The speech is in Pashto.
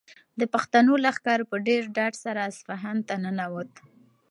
د پښتنو لښکر په ډېر ډاډ سره اصفهان ته ننووت.